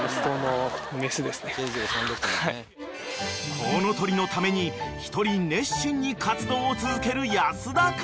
［コウノトリのために一人熱心に活動を続ける安田君］